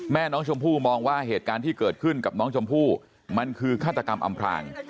แม่น้องชมพู่มองว่าเหตุการณ์ที่เกิดขึ้นกับน้องชมพู่มันคือฆาตกรรมอำพลาง